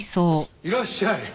いらっしゃい。